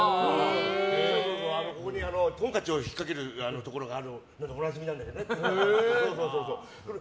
ここにトンカチを引っかけるのがあるのでおなじみなんだけどね。